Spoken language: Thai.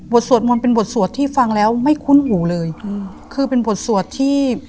สวดมนต์เป็นบทสวดที่ฟังแล้วไม่คุ้นหูเลยอืมคือเป็นบทสวดที่